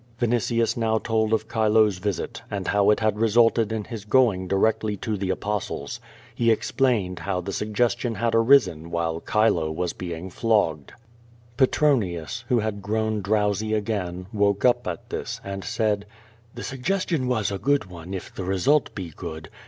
Vinitius now told of Chilo's visit, and how it had resulted in his going directly to the Apostles. He explained how the suggestion had arisen while Chile was being flogged. QtJO VADISS. 271 l^etronius, who had grown drowsy again, woke up at this, and said: "The suggestion was a good one if the result Ije good.